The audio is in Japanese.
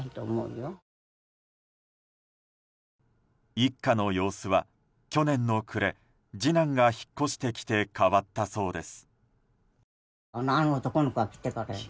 一家の様子は、去年の暮れ次男が引っ越してきて変わったそうです。